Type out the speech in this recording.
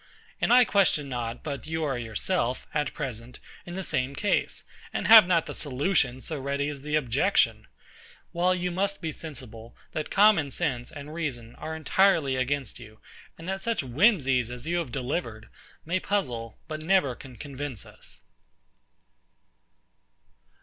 And I question not, but you are yourself, at present, in the same case, and have not the solution so ready as the objection: while you must be sensible, that common sense and reason are entirely against you; and that such whimsies as you have delivered, may puzzle, but never can convince us.